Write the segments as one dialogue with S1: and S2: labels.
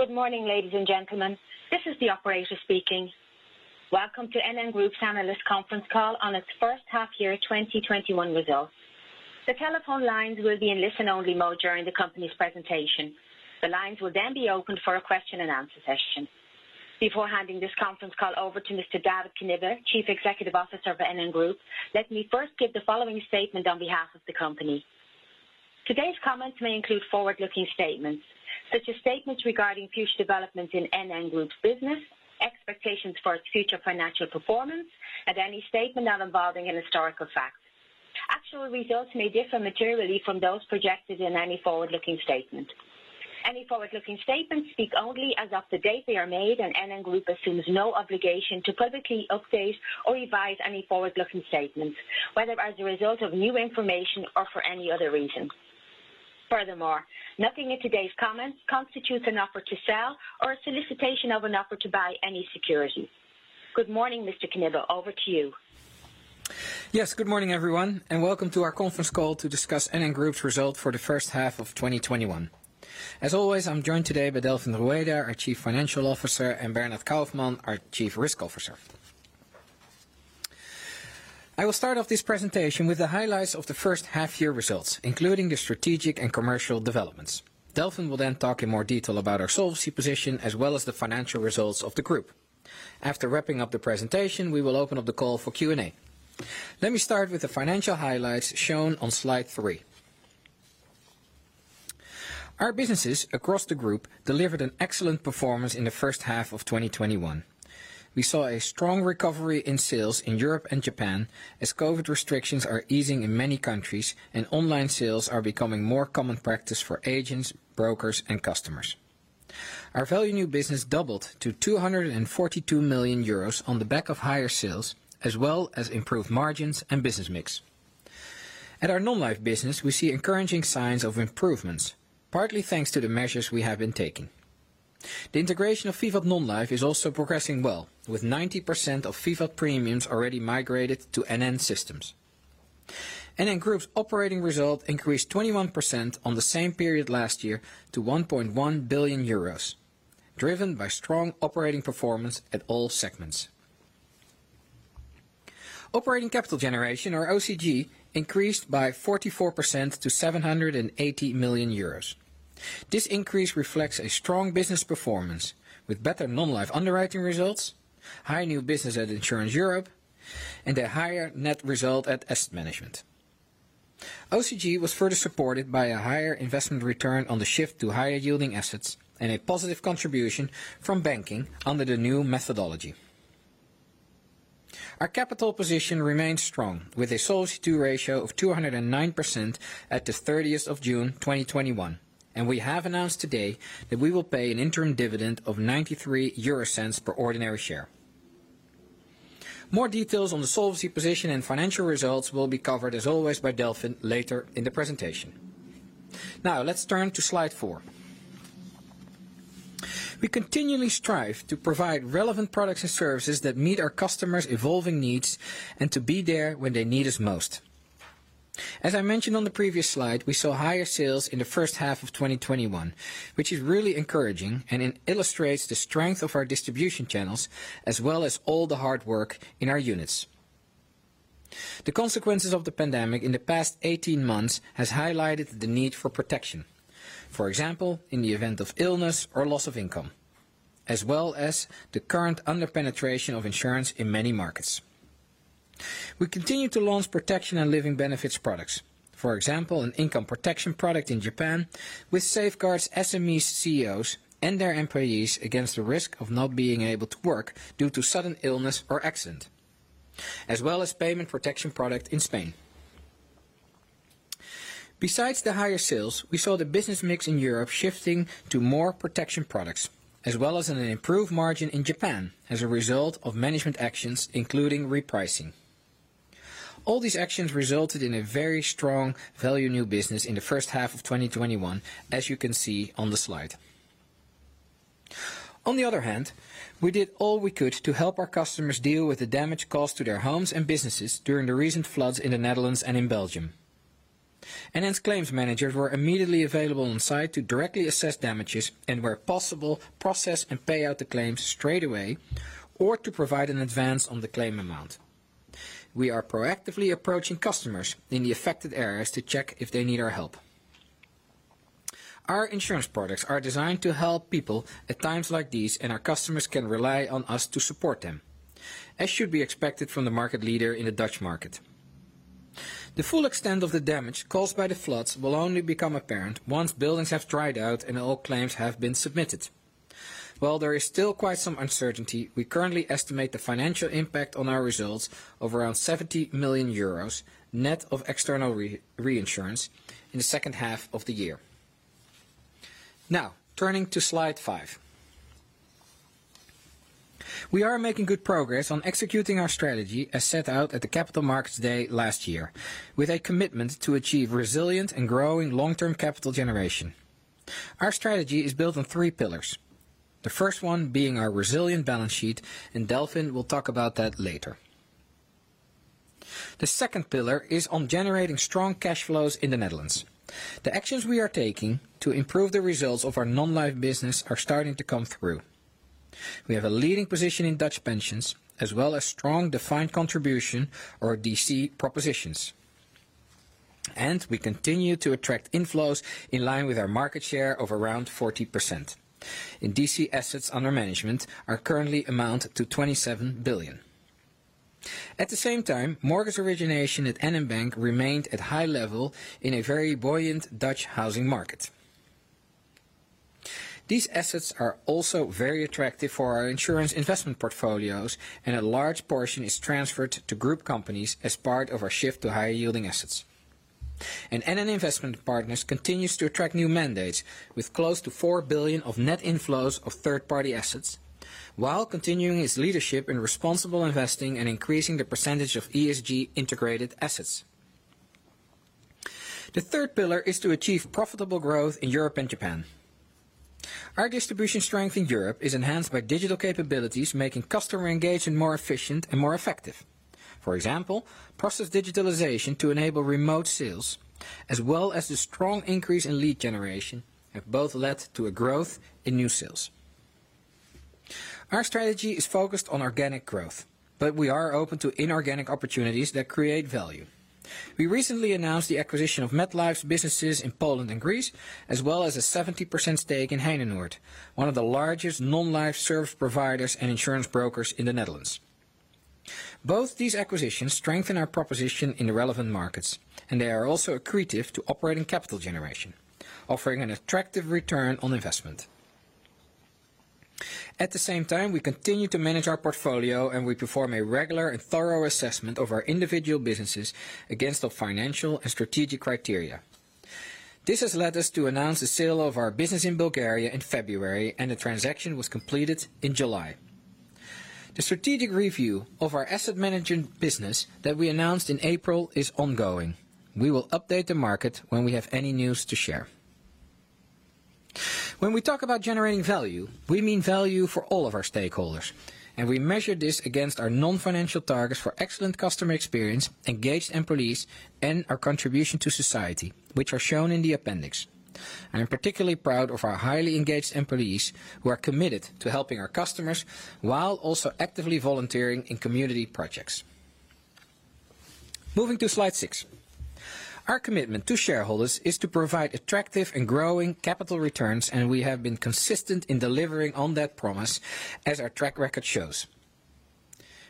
S1: Good morning, ladies and gentlemen. This is the operator speaking. Welcome to NN Group's analyst conference call on its first half year 2021 results. The telephone lines will be in listen-only mode during the company's presentation. The lines will be open for a question and answer session. Before handing this conference call over to Mr. David Knibbe, Chief Executive Officer of NN Group, let me first give the following statement on behalf of the company. Today's comments may include forward-looking statements, such as statements regarding future developments in NN Group's business, expectations for its future financial performance, and any statement not involving an historical fact. Actual results may differ materially from those projected in any forward-looking statement. Any forward-looking statements speak only as of the date they are made, and NN Group assumes no obligation to publicly update or revise any forward-looking statements, whether as a result of new information or for any other reason. Furthermore, nothing in today's comments constitutes an offer to sell or a solicitation of an offer to buy any security. Good morning, Mr. Knibbe. Over to you.
S2: Yes. Good morning, everyone, and welcome to our conference call to discuss NN Group's result for the first half of 2021. As always, I'm joined today by Delfin Rueda, our Chief Financial Officer, and Bernhard Kaufmann, our Chief Risk Officer. I will start off this presentation with the highlights of the first half year results, including the strategic and commercial developments. Delfin will talk in more detail about our solvency position, as well as the financial results of the group. After wrapping up the presentation, we will open up the call for Q&A. Let me start with the financial highlights shown on slide 3. Our businesses across the group delivered an excellent performance in the first half of 2021. We saw a strong recovery in sales in Europe and Japan as COVID-19 restrictions are easing in many countries, and online sales are becoming more common practice for agents, brokers, and customers. Our value of new business doubled to 242 million euros on the back of higher sales, as well as improved margins and business mix. At our Non-life business, we see encouraging signs of improvements, partly thanks to the measures we have been taking. The integration of VIVAT Non-life is also progressing well, with 90% of VIVAT premiums already migrated to NN systems. NN Group's operating result increased 21% on the same period last year to 1.1 billion euros, driven by strong operating performance at all segments. Operating capital generation, or OCG, increased by 44% to 780 million euros. This increase reflects a strong business performance with better Non-life underwriting results, high new business at Insurance Europe, and a higher net result at Asset Management. OCG was further supported by a higher investment return on the shift to higher yielding assets and a positive contribution from Banking under the new methodology. Our capital position remains strong, with a Solvency II ratio of 209% at the 30th of June 2021, and we have announced today that we will pay an interim dividend of 0.93 per ordinary share. More details on the solvency position and financial results will be covered, as always, by Delfin later in the presentation. Let's turn to slide 4. We continually strive to provide relevant products and services that meet our customers' evolving needs and to be there when they need us most. As I mentioned on the previous slide, we saw higher sales in the first half of 2021, which is really encouraging, and it illustrates the strength of our distribution channels as well as all the hard work in our units. The consequences of the pandemic in the past 18 months has highlighted the need for protection. For example, in the event of illness or loss of income. As well as the current under-penetration of insurance in many markets. We continue to launch protection and living benefits products. For example, an income protection product in Japan, which safeguards SME CEOs and their employees against the risk of not being able to work due to sudden illness or accident, as well as payment protection product in Spain. Besides the higher sales, we saw the business mix in Europe shifting to more protection products, as well as an improved margin in Japan as a result of management actions, including repricing. All these actions resulted in a very strong value of new business in the first half of 2021, as you can see on the slide. On the other hand, we did all we could to help our customers deal with the damage caused to their homes and businesses during the recent floods in the Netherlands and in Belgium. NN's claims managers were immediately available on site to directly assess damages and where possible, process and pay out the claims straight away or to provide an advance on the claim amount. We are proactively approaching customers in the affected areas to check if they need our help. Our insurance products are designed to help people at times like these, and our customers can rely on us to support them, as should be expected from the market leader in the Dutch market. The full extent of the damage caused by the floods will only become apparent once buildings have dried out and all claims have been submitted. While there is still quite some uncertainty, we currently estimate the financial impact on our results of around 70 million euros, net of external reinsurance, in the second half of the year. Now, turning to slide 5. We are making good progress on executing our strategy as set out at the Capital Markets Day last year, with a commitment to achieve resilient and growing long-term capital generation. Our strategy is built on three pillars, the first one being our resilient balance sheet. Delfin will talk about that later. The second pillar is on generating strong cash flows in the Netherlands. The actions we are taking to improve the results of our Non-life business are starting to come through. We have a leading position in Dutch pensions, as well as strong defined contribution or DC propositions. We continue to attract inflows in line with our market share of around 40%. In DC, assets under management are currently amount to 27 billion. At the same time, mortgage origination at NN Bank remained at high level in a very buoyant Dutch housing market. These assets are also very attractive for our insurance investment portfolios. A large portion is transferred to group companies as part of our shift to higher yielding assets. NN Investment Partners continues to attract new mandates with close to 4 billion of net inflows of third-party assets, while continuing its leadership in responsible investing and increasing the percentage of ESG integrated assets. The third pillar is to achieve profitable growth in Europe and Japan. Our distribution strength in Europe is enhanced by digital capabilities, making customer engagement more efficient and more effective. For example, process digitalization to enable remote sales, as well as the strong increase in lead generation, have both led to a growth in new sales. Our strategy is focused on organic growth, but we are open to inorganic opportunities that create value. We recently announced the acquisition of MetLife's businesses in Poland and Greece, as well as a 70% stake in Heinenoord, one of the largest Non-life service providers and insurance brokers in the Netherlands. Both these acquisitions strengthen our proposition in the relevant markets, and they are also accretive to operating capital generation, offering an attractive return on investment. At the same time, we continue to manage our portfolio, and we perform a regular and thorough assessment of our individual businesses against our financial and strategic criteria. This has led us to announce the sale of our business in Bulgaria in February, and the transaction was completed in July. The strategic review of our Asset Management business that we announced in April is ongoing. We will update the market when we have any news to share. When we talk about generating value, we mean value for all of our stakeholders, and we measure this against our non-financial targets for excellent customer experience, engaged employees, and our contribution to society, which are shown in the appendix. I am particularly proud of our highly engaged employees who are committed to helping our customers while also actively volunteering in community projects. Moving to slide 6. Our commitment to shareholders is to provide attractive and growing capital returns, and we have been consistent in delivering on that promise, as our track record shows.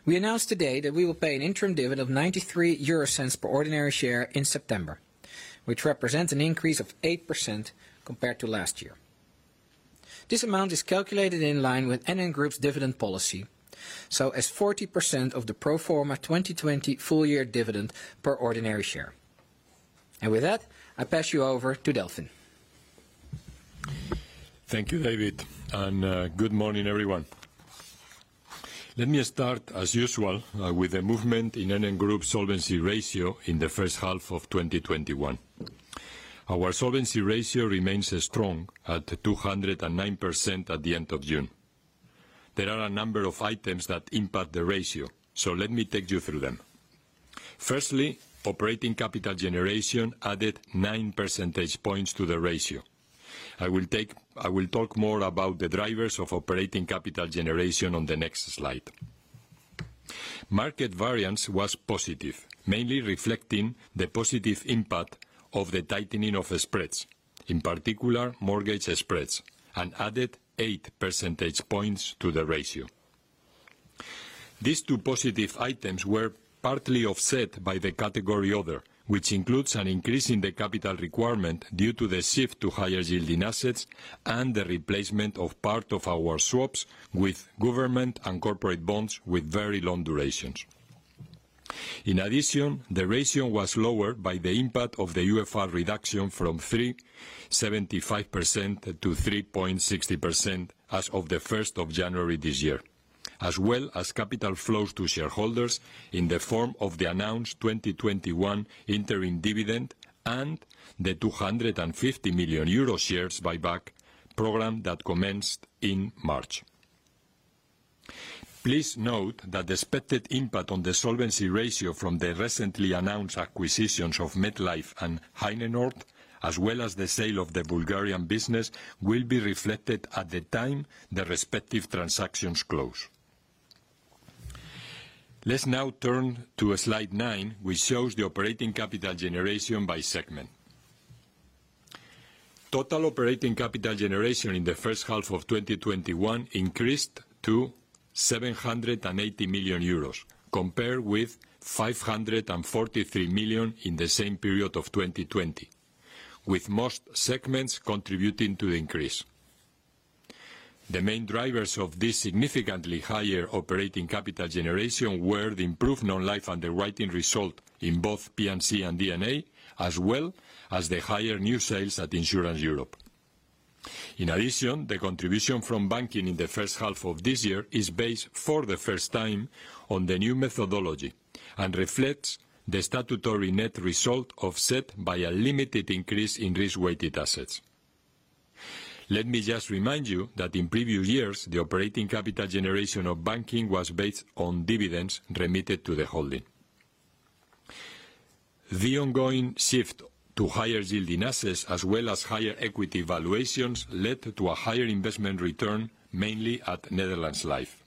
S2: We announced today that we will pay an interim dividend of 0.93 per ordinary share in September, which represents an increase of 8% compared to last year. This amount is calculated in line with NN Group's dividend policy, so as 40% of the pro forma 2020 full year dividend per ordinary share. With that, I pass you over to Delfin.
S3: Thank you, David. Good morning, everyone. Let me start, as usual, with the movement in NN Group solvency ratio in the first half of 2021. Our solvency ratio remains strong at 209% at the end of June. There are a number of items that impact the ratio, so let me take you through them. Firstly, operating capital generation added 9 percentage points to the ratio. I will talk more about the drivers of operating capital generation on the next slide. Market variance was positive, mainly reflecting the positive impact of the tightening of the spreads, in particular mortgage spreads, and added 8 percentage points to the ratio. These two positive items were partly offset by the category other, which includes an increase in the capital requirement due to the shift to higher yielding assets and the replacement of part of our swaps with government and corporate bonds with very long durations. In addition, the ratio was lower by the impact of the UFR reduction from 3.75% to 3.60% as of the 1st of January this year, as well as capital flows to shareholders in the form of the announced 2021 interim dividend and the 250 million euro shares buyback program that commenced in March. Please note that the expected impact on the solvency ratio from the recently announced acquisitions of MetLife and Heinenoord, as well as the sale of the Bulgarian business, will be reflected at the time the respective transactions close. Let's now turn to slide 9, which shows the operating capital generation by segment. Total operating capital generation in the first half of 2021 increased to 780 million euros, compared with 543 million in the same period of 2020, with most segments contributing to the increase. The main drivers of this significantly higher operating capital generation were the improved Non-life underwriting result in both P&C and D&A, as well as the higher new sales at Insurance Europe. In addition, the contribution from Banking in the first half of this year is based for the first time on the new methodology and reflects the statutory net result offset by a limited increase in risk-weighted assets. Let me just remind you that in previous years, the operating capital generation of Banking was based on dividends remitted to the holding. The ongoing shift to higher yielding assets, as well as higher equity valuations, led to a higher investment return, mainly at Netherlands Life.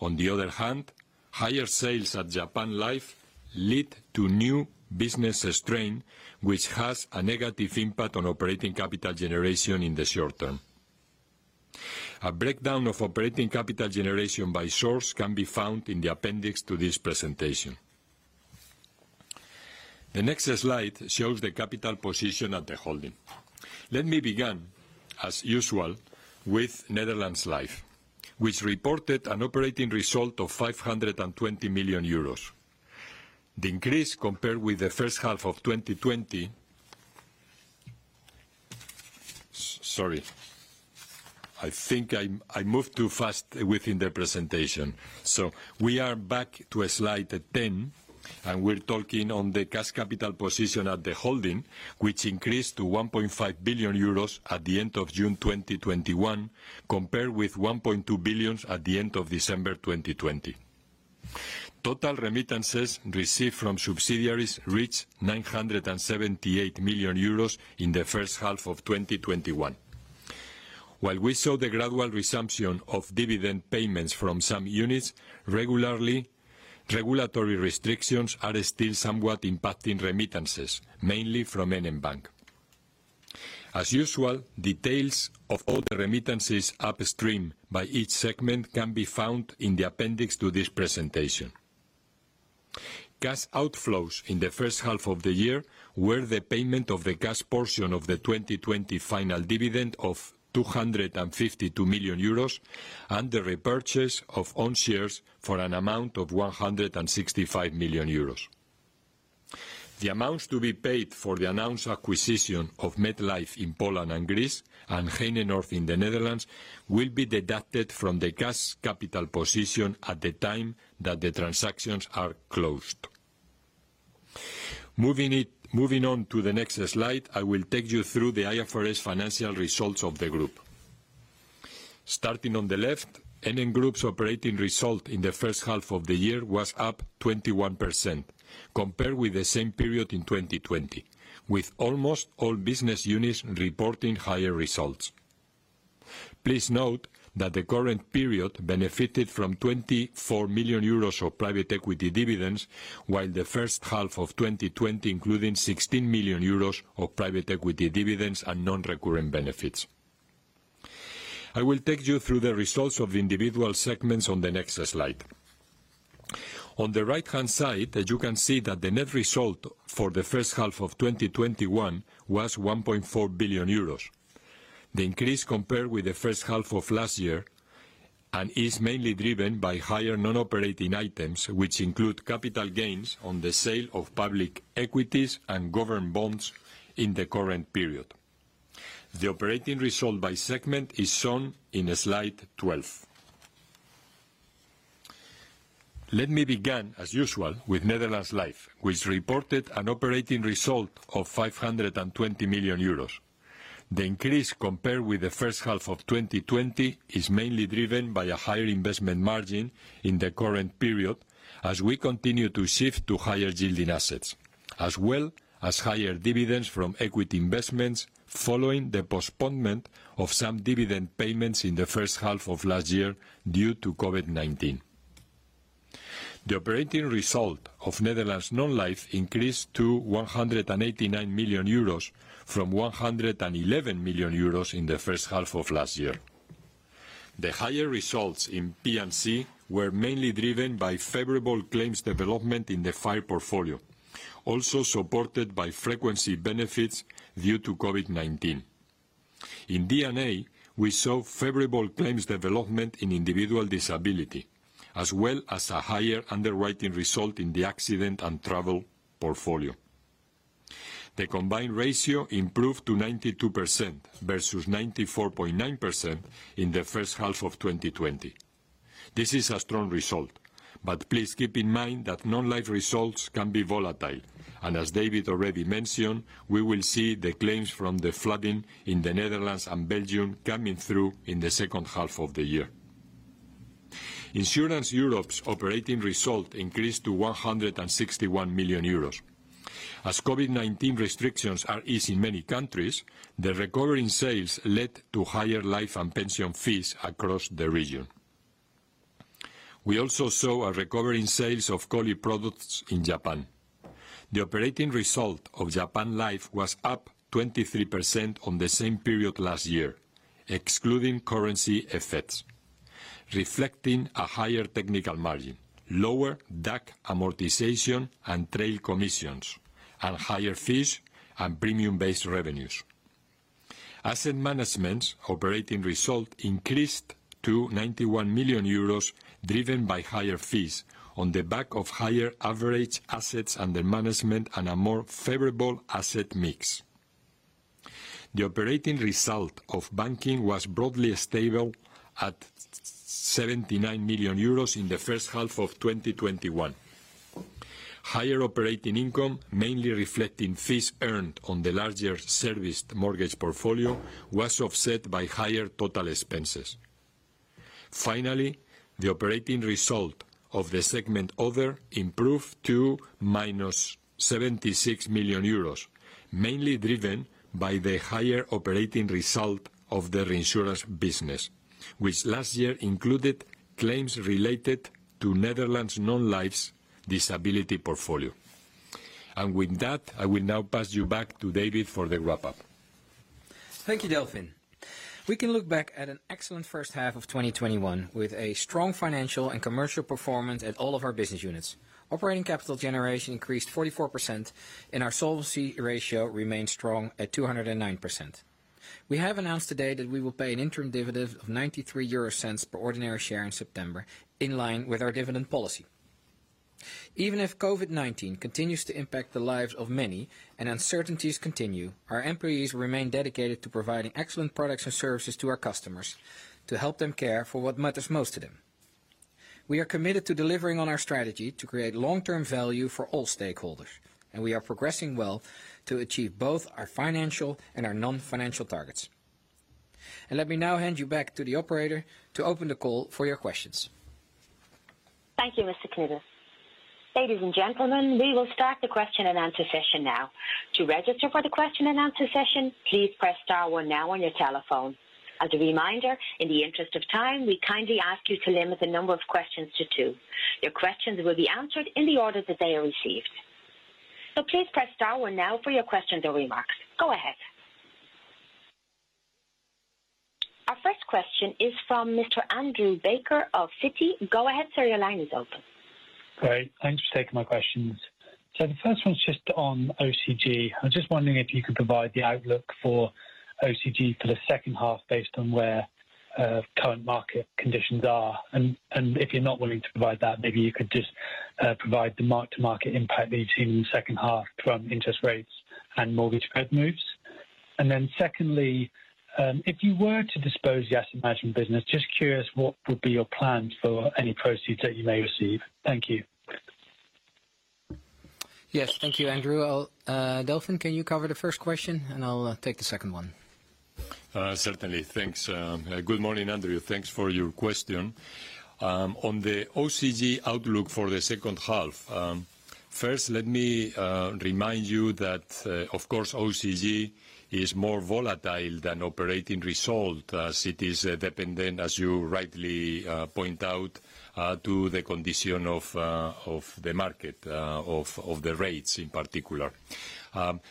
S3: On the other hand, higher sales at Japan Life lead to new business strain, which has a negative impact on operating capital generation in the short term. A breakdown of operating capital generation by source can be found in the appendix to this presentation. The next slide shows the capital position at the holding. Let me begin, as usual, with Netherlands Life, which reported an operating result of 520 million euros. The increase compared with the first half of 2020. Sorry. I think I moved too fast within the presentation. We are back to slide 10, and we're talking on the cash capital position at the holding, which increased to 1.5 billion euros at the end of June 2021, compared with 1.2 billion at the end of December 2020. Total remittances received from subsidiaries reached EUR 978 million in the first half of 2021. While we saw the gradual resumption of dividend payments from some units regularly, regulatory restrictions are still somewhat impacting remittances, mainly from NN Bank. As usual, details of all the remittances upstream by each segment can be found in the appendix to this presentation. Cash outflows in the first half of the year were the payment of the cash portion of the 2020 final dividend of 252 million euros and the repurchase of own shares for an amount of 165 million euros. The amounts to be paid for the announced acquisition of MetLife in Poland and Greece and Heinenoord in the Netherlands will be deducted from the cash capital position at the time that the transactions are closed. Moving on to the next slide, I will take you through the IFRS financial results of the group. Starting on the left, NN Group's operating result in the first half of the year was up 21%, compared with the same period in 2020, with almost all business units reporting higher results. Please note that the current period benefited from 24 million euros of private equity dividends, while the first half of 2020 including 16 million euros of private equity dividends and non-recurring benefits. I will take you through the results of individual segments on the next slide. On the right-hand side, you can see that the net result for the first half of 2021 was 1.4 billion euros. The increase compared with the first half of last year and is mainly driven by higher non-operating items, which include capital gains on the sale of public equities and government bonds in the current period. The operating result by segment is shown in slide 12. Let me begin, as usual, with Netherlands Life, which reported an operating result of 520 million euros. The increase compared with H1 2020 is mainly driven by a higher investment margin in the current period as we continue to shift to higher yielding assets, as well as higher dividends from equity investments following the postponement of some dividend payments in H1 2020 due to COVID-19. The operating result of Netherlands Non-life increased to 189 million euros from 111 million euros in H1 2020. The higher results in P&C were mainly driven by favorable claims development in the fire portfolio, also supported by frequency benefits due to COVID-19. In D&A, we saw favorable claims development in individual disability, as well as a higher underwriting result in the accident and travel portfolio. The combined ratio improved to 92% versus 94.9% in the first half of 2020. This is a strong result, but please keep in mind that Non-life results can be volatile. As David already mentioned, we will see the claims from the flooding in the Netherlands and Belgium coming through in the second half of the year. Insurance Europe's operating result increased to 161 million euros. As COVID-19 restrictions are eased in many countries, the recovery in sales led to higher life and pension fees across the region. We also saw a recovery in sales of COLI products in Japan. The operating result of Japan Life was up 23% on the same period last year, excluding currency effects, reflecting a higher technical margin, lower DAC amortization and trail commissions, and higher fees and premium-based revenues. Asset Management's operating result increased to 91 million euros, driven by higher fees on the back of higher average assets under management and a more favorable asset mix. The operating result of Banking was broadly stable at 79 million euros in H1 2021. Higher operating income, mainly reflecting fees earned on the larger serviced mortgage portfolio, was offset by higher total expenses. The operating result of the segment Other improved to -76 million euros, mainly driven by the higher operating result of the reinsurance business, which last year included claims related to Netherlands Non-life's disability portfolio. With that, I will now pass you back to David for the wrap-up.
S2: Thank you, Delfin. We can look back at an excellent first half of 2021, with a strong financial and commercial performance at all of our business units. Operating capital generation increased 44%, and our solvency ratio remains strong at 209%. We have announced today that we will pay an interim dividend of 0.93 per ordinary share in September, in line with our dividend policy. Even if COVID-19 continues to impact the lives of many and uncertainties continue, our employees remain dedicated to providing excellent products and services to our customers to help them care for what matters most to them. We are committed to delivering on our strategy to create long-term value for all stakeholders, and we are progressing well to achieve both our financial and our non-financial targets. Let me now hand you back to the operator to open the call for your questions.
S1: Thank you, Mr. Knibbe. Ladies and gentlemen, we will start the question and answer session now. To register for the question and answer session, please press star one now on your telephone. As a reminder, in the interest of time, we kindly ask you to limit the number of questions to two. Your questions will be answered in the order that they are received. So please press star one now for your questions or remarks. Go ahead. Our first question is from Mr. Andrew Baker of Citi. Go ahead, sir. Your line is open.
S4: Great. Thanks for taking my questions. The first one's just on OCG. I was just wondering if you could provide the outlook for OCG for the second half based on where current market conditions are, and if you're not willing to provide that, maybe you could just provide the mark-to-market impact that you've seen in the second half from interest rates and mortgage spread moves. Secondly, if you were to dispose the Asset Management business, just curious what would be your plans for any proceeds that you may receive. Thank you.
S2: Yes. Thank you, Andrew. Delfin, can you cover the first question, and I'll take the second one?
S3: Certainly. Thanks. Good morning, Andrew. Thanks for your question. On the OCG outlook for the second half, first let me remind you that, of course, OCG is more volatile than operating result as it is dependent, as you rightly point out, to the condition of the market, of the rates in particular.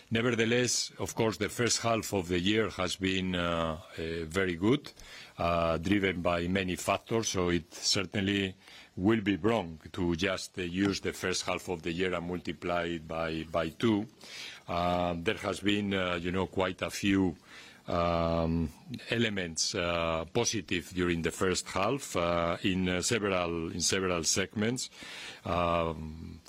S3: Nevertheless, of course, the first half of the year has been very good, driven by many factors. It certainly will be wrong to just use the first half of the year and multiply it by two. There has been quite a few elements, positive during the first half in several segments.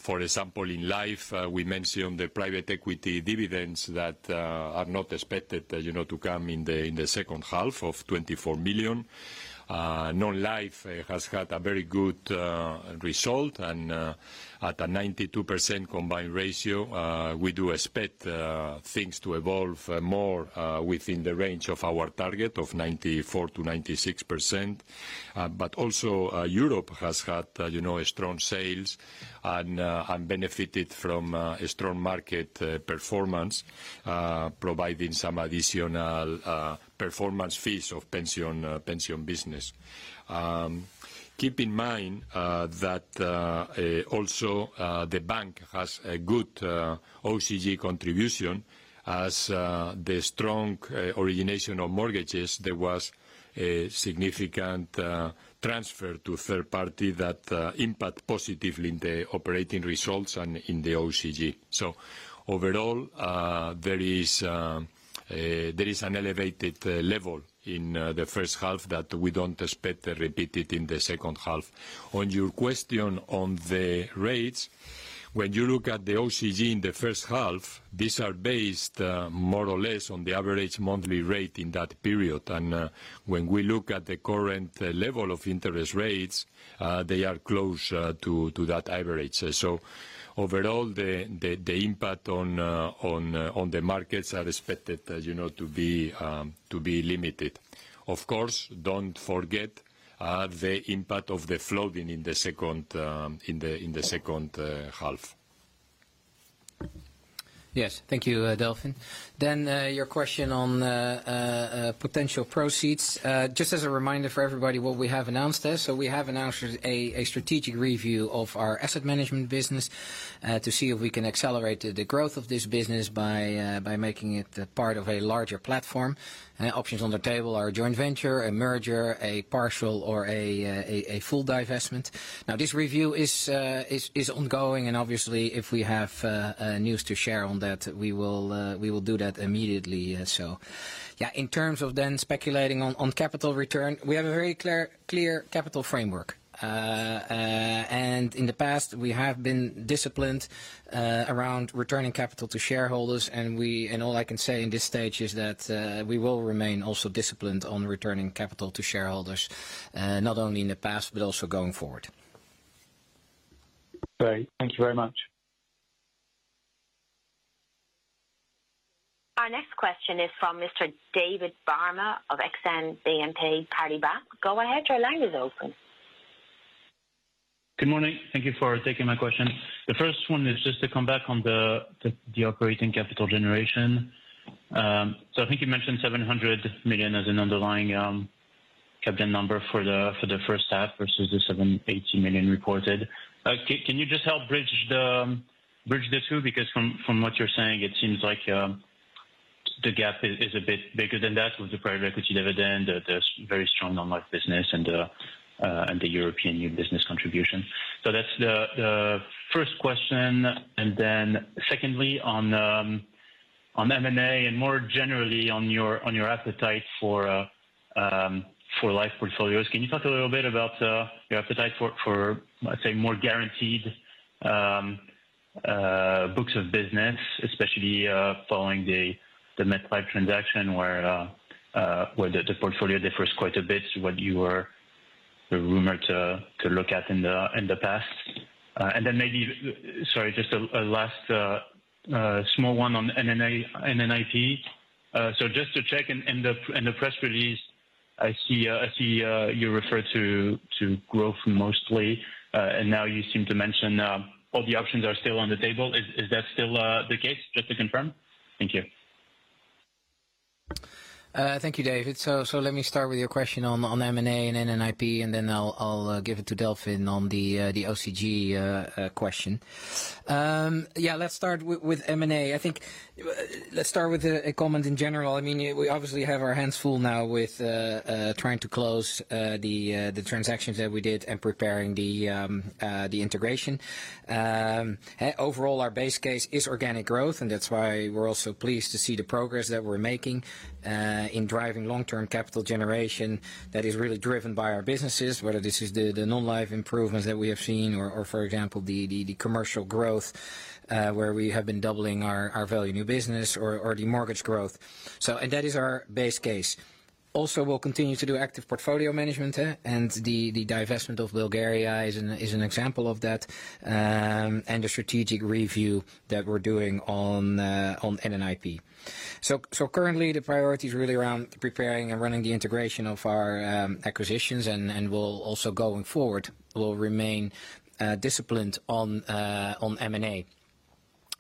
S3: For example, in Life, we mentioned the private equity dividends that are not expected to come in the second half of 24 million. Non-life has had a very good result, and at a 92% combined ratio, we do expect things to evolve more, within the range of our target of 94%-96%. Insurance Europe has had strong sales and benefited from a strong market performance, providing some additional performance fees of pension business. Keep in mind that, also, NN Bank has a good OCG contribution. As the strong origination of mortgages, there was a significant transfer to third party that impact positively in the operating results and in the OCG. Overall, there is an elevated level in H1 2021 that we don't expect repeated in H2 2021. On your question on the rates, when you look at the OCG in H1 2021, these are based more or less on the average monthly rate in that period. When we look at the current level of interest rates, they are close to that average. Overall, the impact on the markets are expected to be limited. Of course, don't forget the impact of the flooding in the second half.
S2: Yes. Thank you, Delfin. Your question on potential proceeds. Just as a reminder for everybody what we have announced there. We have announced a strategic review of our Asset Management business to see if we can accelerate the growth of this business by making it part of a larger platform. Options on the table are a joint venture, a merger, a partial, or a full divestment. This review is ongoing, and obviously, if we have news to share on that, we will do that immediately. Yeah, in terms of then speculating on capital return, we have a very clear capital framework. In the past, we have been disciplined around returning capital to shareholders, and all I can say in this stage is that we will remain also disciplined on returning capital to shareholders, not only in the past, but also going forward.
S4: Great. Thank you very much.
S1: This question is from Mr. David Barma of Exane BNP Paribas. Go ahead, your line is open.
S5: Good morning. Thank you for taking my question. The first one is to come back on the operating capital generation. I think you mentioned 700 million as an underlying capital number for the first half versus the 780 million reported. Can you help bridge the two? From what you're saying, it seems like the gap is a bit bigger than that with the private equity dividend, the very strong Non-life business and the European new business contribution. That is the first question. Secondly, on M&A and more generally on your appetite for Life portfolios, can you talk a little bit about your appetite for, let's say, more guaranteed books of business, especially following the MetLife transaction where the portfolio differs quite a bit to what you were rumored to look at in the past? Maybe, sorry, just a last small one on NNIP. Just to check, in the press release, I see you refer to growth mostly, and now you seem to mention all the options are still on the table. Is that still the case, just to confirm? Thank you.
S2: Thank you, David. Let me start with your question on M&A and NNIP, and then I'll give it to Delfin on the OCG question. Let's start with M&A. I think, let's start with a comment in general. We obviously have our hands full now with trying to close the transactions that we did and preparing the integration. Overall, our base case is organic growth, and that's why we're also pleased to see the progress that we're making in driving long-term capital generation that is really driven by our businesses, whether this is the Non-life improvements that we have seen or for example, the commercial growth, where we have been doubling our value of new business or the mortgage growth. That is our base case. We'll continue to do active portfolio management, and the divestment of Bulgaria is an example of that, and a strategic review that we're doing on NNIP. Currently the priority is really around preparing and running the integration of our acquisitions and we'll also going forward, will remain disciplined on M&A.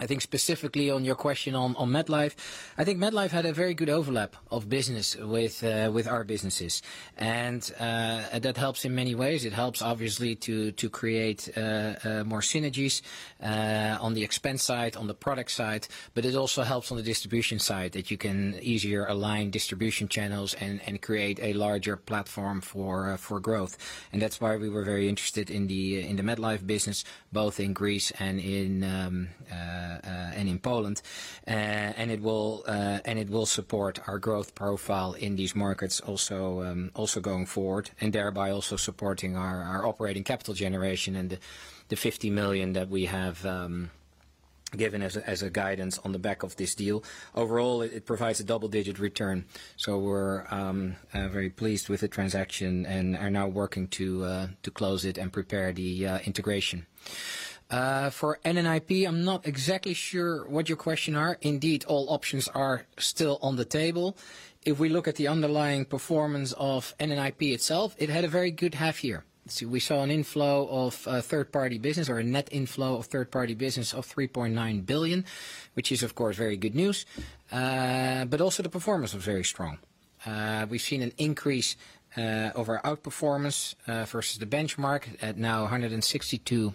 S2: I think specifically on your question on MetLife, I think MetLife had a very good overlap of business with our businesses. That helps in many ways. It helps obviously to create more synergies on the expense side, on the product side, but it also helps on the distribution side that you can easier align distribution channels and create a larger platform for growth. That's why we were very interested in the MetLife business, both in Greece and in Poland. It will support our growth profile in these markets also going forward and thereby also supporting our operating capital generation and the 50 million that we have given as a guidance on the back of this deal. Overall, it provides a double-digit return, so we're very pleased with the transaction and are now working to close it and prepare the integration. For NNIP, I'm not exactly sure what your question are. Indeed, all options are still on the table. If we look at the underlying performance of NNIP itself, it had a very good half year. We saw an inflow of third-party business or a net inflow of third-party business of 3.9 billion, which is of course very good news. Also the performance was very strong. We've seen an increase of our outperformance versus the benchmark at now 162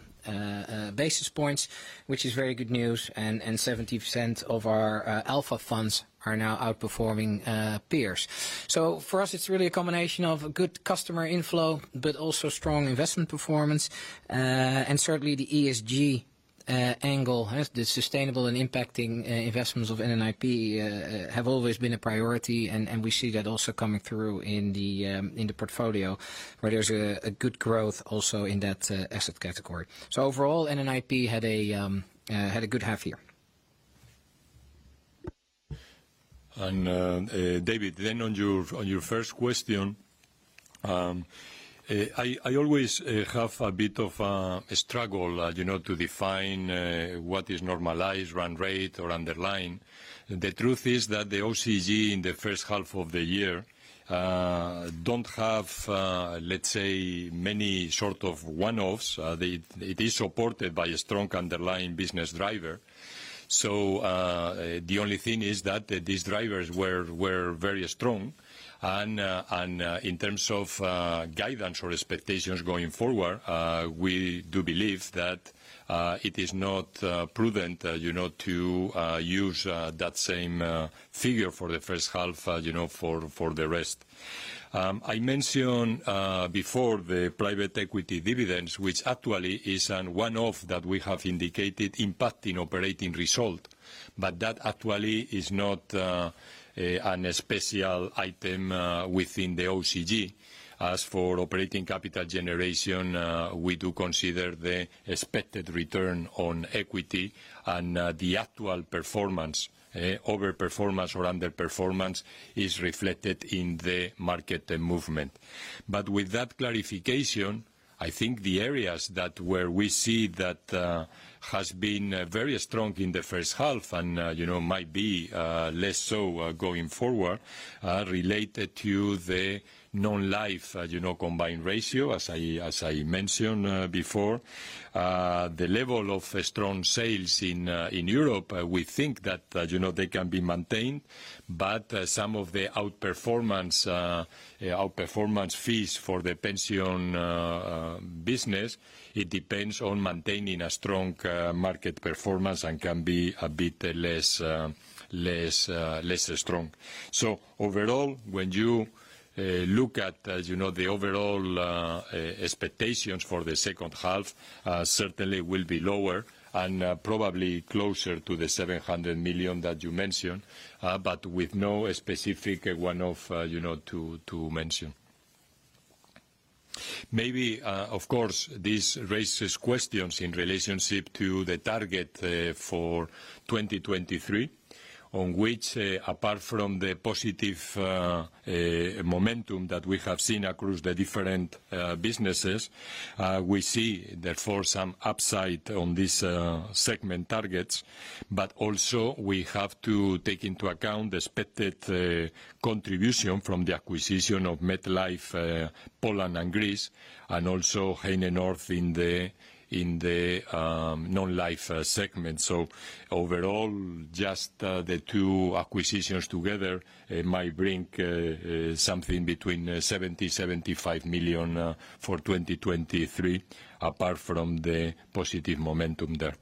S2: basis points, which is very good news, and 70% of our alpha funds are now outperforming peers. For us it's really a combination of good customer inflow, but also strong investment performance. Certainly, the ESG angle, the sustainable and impacting investments of NNIP have always been a priority and we see that also coming through in the portfolio where there's a good growth also in that asset category. Overall, NNIP had a good half year.
S3: David, on your first question, I always have a bit of a struggle to define what is normalized run rate or underlying. The truth is that the OCG in the first half of the year, don't have, let's say, many sort of one-offs. It is supported by a strong underlying business driver. The only thing is that these drivers were very strong. In terms of guidance or expectations going forward, we do believe that it is not prudent to use that same figure for the first half, for the rest. I mentioned before the private equity dividends, which actually is an one-off that we have indicated impacting operating result. That actually is not a special item within the OCG. As for operating capital generation, we do consider the expected return on equity and the actual performance. Over performance or under performance is reflected in the market movement. With that clarification, I think the areas where we see that has been very strong in the first half and might be less so going forward, related to the Non-life combined ratio, as I mentioned before. The level of strong sales in Europe, we think that they can be maintained, but some of the outperformance fees for the pension business, it depends on maintaining a strong market performance and can be a bit less strong. Overall, when you look at the overall expectations for the second half, certainly will be lower and probably closer to the 700 million that you mentioned, but with no specific one-off to mention. Of course, this raises questions in relationship to the target for 2023, on which, apart from the positive momentum that we have seen across the different businesses, we see, therefore, some upside on this segment targets. Also, we have to take into account the expected contribution from the acquisition of MetLife Poland and Greece, and also Heinenoord in the Non-life segment. Overall, just the two acquisitions together might bring something between 70 million-75 million for 2023, apart from the positive momentum there.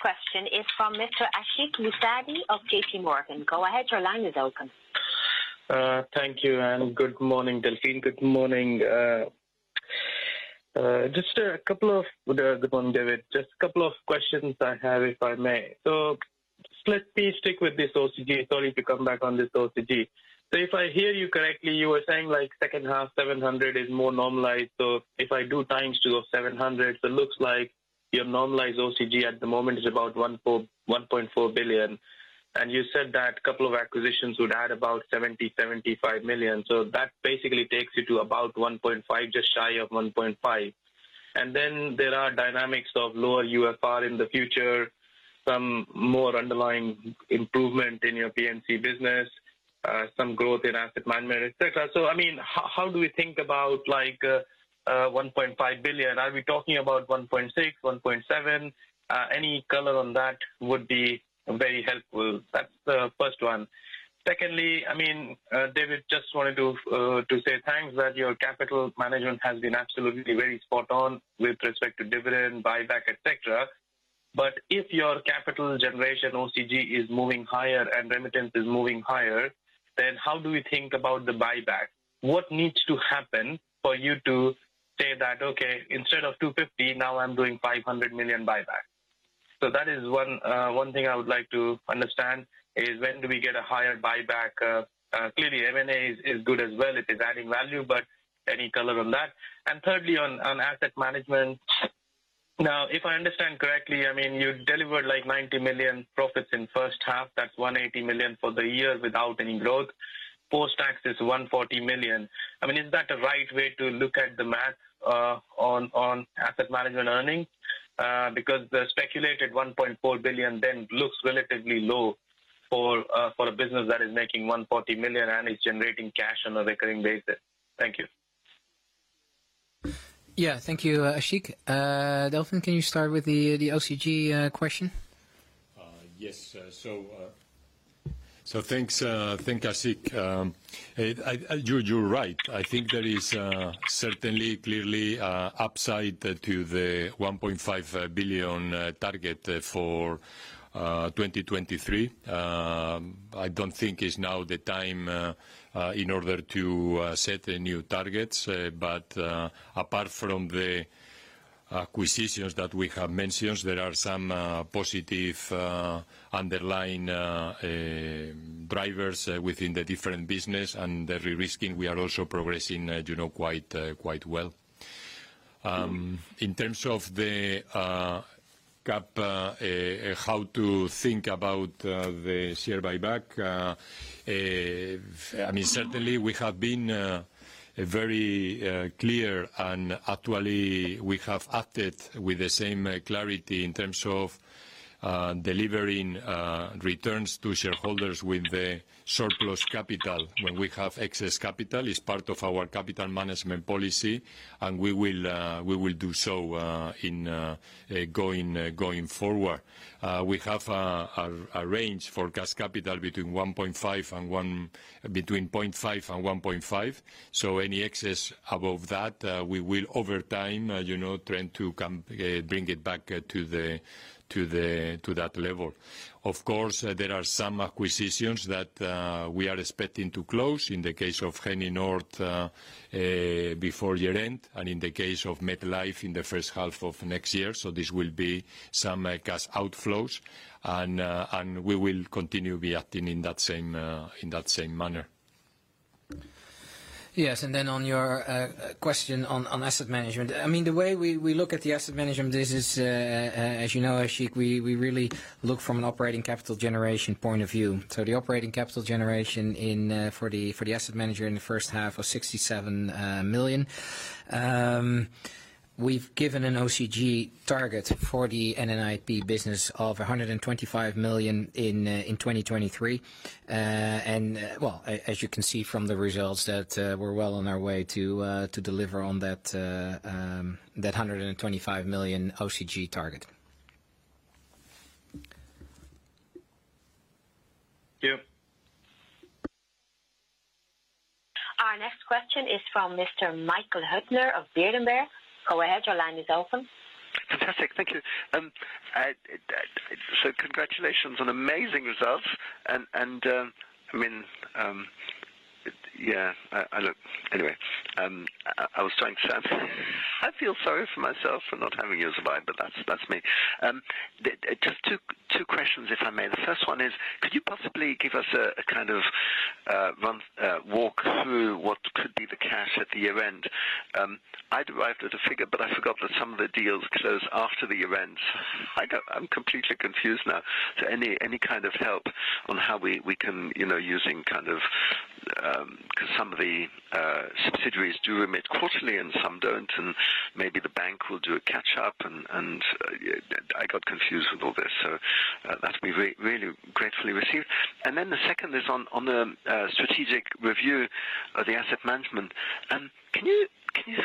S5: Thank you.
S1: Next question is from Mr. Ashik Musaddi of JPMorgan. Go ahead, your line is open.
S6: Thank you, and good morning, Delfin. Good morning. Good morning, David. Just a couple of questions I have, if I may. Let me stick with this OCG. Sorry to come back on this OCG. If I hear you correctly, you were saying second half 700 million is more normalized. If I do times two of 700 million, it looks like your normalized OCG at the moment is about 1.4 billion. You said that a couple of acquisitions would add about 70 million-75 million. That basically takes you to about 1.5 billion, just shy of 1.5 billion. There are dynamics of lower UFR in the future, some more underlying improvement in your P&C business, some growth in Asset Management, et cetera. How do we think about 1.5 billion? Are we talking about 1.6 billion, 1.7 billion? Any color on that would be very helpful. That's the first one. Secondly, David, just wanted to say thanks that your capital management has been absolutely very spot on with respect to dividend, buyback, et cetera. If your capital generation OCG is moving higher and remittance is moving higher, how do we think about the buyback? What needs to happen for you to say that, "Okay, instead of 250 million, now I'm doing 500 million buyback?" That is one thing I would like to understand is when do we get a higher buyback? Clearly, M&A is good as well. It is adding value, but any color on that? Thirdly, on Asset Management. Now, if I understand correctly, you delivered like 90 million profits in H1 2021. That's 180 million for the year without any growth. Post-tax is 140 million. Is that the right way to look at the math on Asset Management earnings? The speculated 1.4 billion then looks relatively low for a business that is making 140 million and is generating cash on a recurring basis. Thank you.
S2: Yeah. Thank you, Ashik. Delfin, can you start with the OCG question?
S3: Yes. Thanks, Ashik. You're right. I think there is certainly, clearly, upside to the 1.5 billion target for 2023. I don't think it's now the time in order to set the new targets. Apart from the acquisitions that we have mentioned, there are some positive underlying drivers within the different business and re-risking. We are also progressing quite well. In terms of the gap, how to think about the share buyback. Certainly, we have been very clear and actually we have acted with the same clarity in terms of delivering returns to shareholders with the surplus capital. When we have excess capital, it's part of our capital management policy, and we will do so in going forward. We have a range for cash capital between 0.5 billion and 1.5 billion. Any excess above that, we will, over time, try to bring it back to that level. Of course, there are some acquisitions that we are expecting to close. In the case of Heinenoord, before year-end, and in the case of MetLife, in the first half of next year. This will be some cash outflows, and we will continue to be acting in that same manner.
S2: Yes. On your question on Asset Management. The way we look at the Asset Management is, as you know, Ashik, we really look from an operating capital generation point of view. The operating capital generation for the asset manager in the first half was 67 million. We've given an OCG target for the NNIP business of 125 million in 2023. Well, as you can see from the results, that we're well on our way to deliver on that 125 million OCG target.
S6: Thank you.
S1: Our next question is from Mr. Michael Huttner of Berenberg. Go ahead, your line is open.
S7: Fantastic. Thank you. Congratulations on amazing results, and anyway, I feel sorry for myself for not having you as mine, but that's me. Just two questions, if I may. The first one is, could you possibly give us a kind of walk-through what could be the cash at the year-end? I'd arrived at a figure, but I forgot that some of the deals close after the event. I'm completely confused now. Any kind of help on how we can, using kind of, because some of the subsidiaries do remit quarterly and some don't, and maybe the bank will do a catch up, and I got confused with all this. That's really gratefully received. The second is on the strategic review of the Asset Management. Can you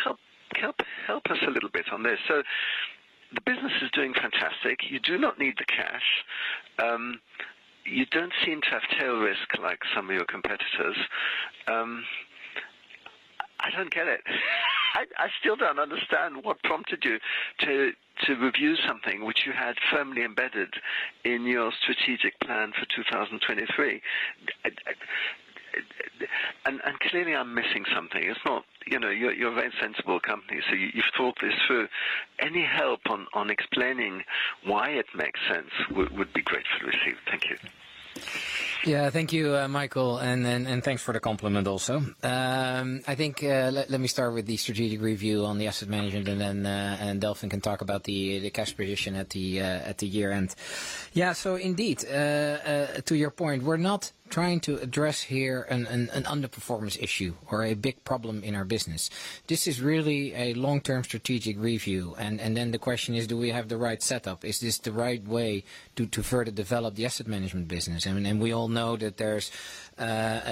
S7: help us a little bit on this? The business is doing fantastic. You do not need the cash. You don't seem to have tail risk like some of your competitors. I don't get it. I still don't understand what prompted you to review something which you had firmly embedded in your strategic plan for 2023. Clearly, I'm missing something. You're a very sensible company, you've thought this through. Any help on explaining why it makes sense would be gratefully received. Thank you.
S2: Thank you, Michael, and thanks for the compliment also. I think let me start with the strategic review on the Asset Management, and then Delfin can talk about the cash position at the year-end. Indeed, to your point, we're not trying to address here an underperformance issue or a big problem in our business. This is really a long-term strategic review, the question is: do we have the right setup? Is this the right way to further develop the Asset Management business? We all know that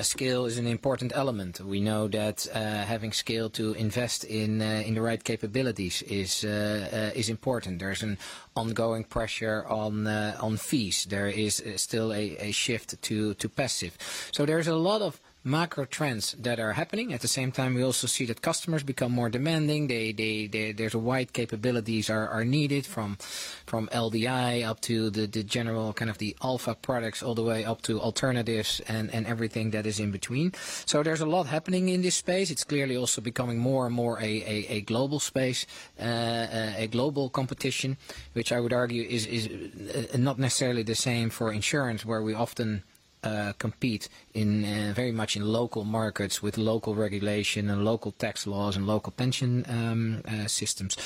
S2: scale is an important element. We know that having scale to invest in the right capabilities is important. There's an ongoing pressure on fees. There is still a shift to passive. There's a lot of macro trends that are happening. At the same time, we also see that customers become more demanding. There's a wide capabilities are needed from LDI up to the general kind of the alpha products, all the way up to alternatives and everything that is in between. There's a lot happening in this space. It's clearly also becoming more and more a global space, a global competition, which I would argue is not necessarily the same for insurance, where we often compete very much in local markets with local regulation and local tax laws and local pension systems.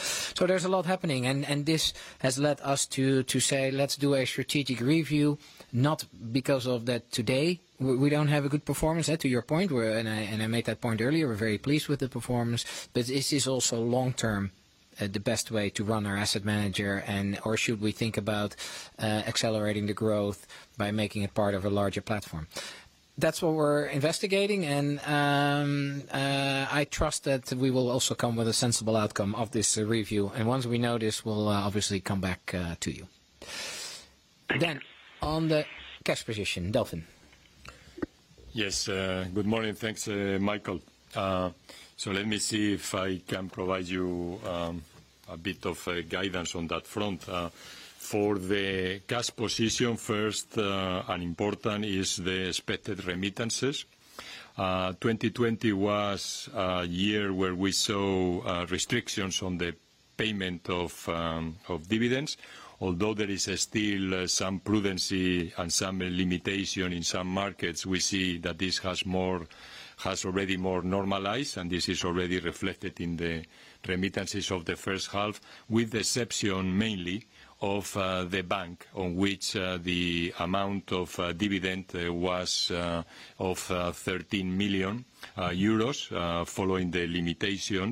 S2: There's a lot happening, and this has led us to say, let's do a strategic review, not because of that today, we don't have a good performance, to your point, and I made that point earlier. We're very pleased with the performance, but is this also long-term the best way to run our asset manager or should we think about accelerating the growth by making it part of a larger platform? That's what we're investigating, and I trust that we will also come with a sensible outcome of this review, and once we know this, we'll obviously come back to you. On the cash position, Delfin.
S3: Yes. Good morning. Thanks, Michael. Let me see if I can provide you a bit of guidance on that front. For the cash position, first and important is the expected remittances. 2020 was a year where we saw restrictions on the payment of dividends. Although there is still some prudency and some limitation in some markets, we see that this has already more normalized, and this is already reflected in the remittances of the first half, with the exception mainly of the NN Bank, on which the amount of dividend was of 13 million euros, following the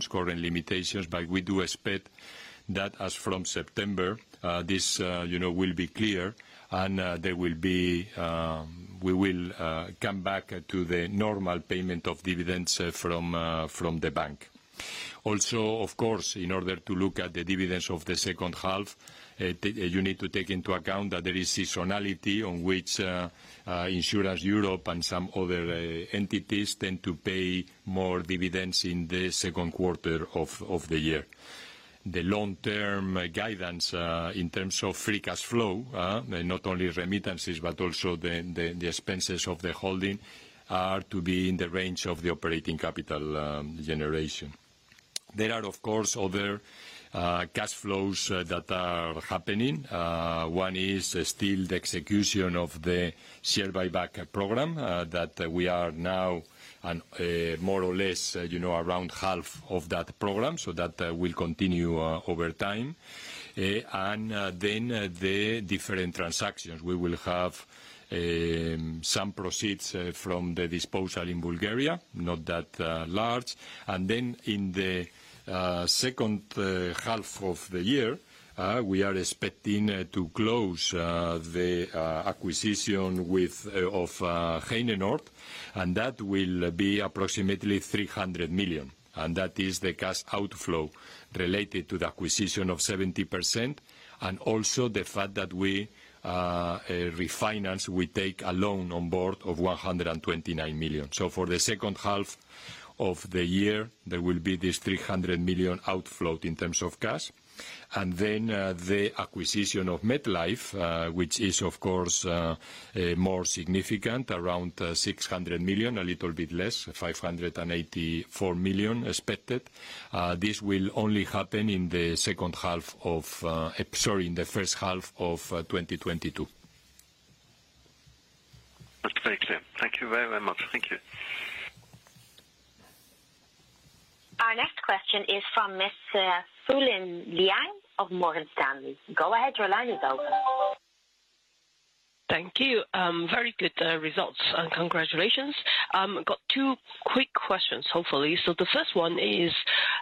S3: current limitations. We do expect that as from September, this will be clear, and we will come back to the normal payment of dividends from the NN Bank. Of course, in order to look at the dividends of the second half, you need to take into account that there is seasonality on which Insurance Europe and some other entities tend to pay more dividends in the second quarter of the year. The long-term guidance, in terms of free cash flow, not only remittances, but also the expenses of the holding are to be in the range of the operating capital generation. There are, of course, other cash flows that are happening. One is still the execution of the share buyback program that we are now on more or less around half of that program, so that will continue over time. The different transactions. We will have some proceeds from the disposal in Bulgaria, not that large. In the second half of the year, we are expecting to close the acquisition of Heinenoord, and that will be approximately 300 million. That is the cash outflow related to the acquisition of 70%, and also the fact that we refinance, we take a loan on board of 129 million. For the second half of the year, there will be this 300 million outflow in terms of cash. The acquisition of MetLife, which is of course, more significant, around 600 million, a little bit less, 584 million expected. This will only happen in the first half of 2022.
S7: That's very clear. Thank you very much. Thank you.
S1: Our next question is from Miss Fulin Liang of Morgan Stanley. Go ahead, your line is open.
S8: Thank you. Very good results, and congratulations. I got two quick questions, hopefully. The first one is,